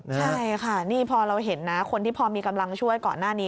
ใช่ค่ะนี่พอเราเห็นนะคนที่พอมีกำลังช่วยก่อนหน้านี้